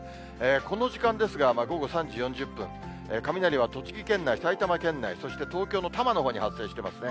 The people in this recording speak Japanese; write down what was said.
この時間ですが、午後３時４０分、雷は栃木県内、埼玉県内、そして東京の多摩のほうに発生していますね。